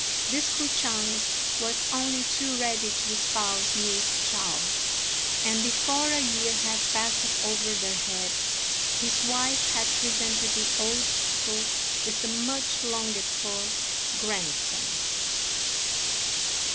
This K'o ch'ang was only too ready to espouse Miss Chao; and before a year had passed over their heads his wife had presented the old people with the much longed for grandson.